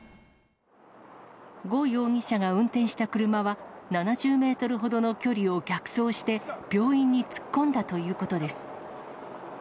呉容疑者が運転した車は、７０メートルほどの距離を逆走して、病院に突っ込んだということです。